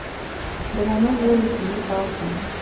د مؤمن زړه له کینې پاک وي.